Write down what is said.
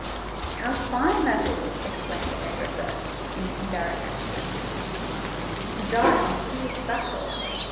"How fine that is!" exclaimed the hair dresser, in Pindaric accents, "to die on the field of battle!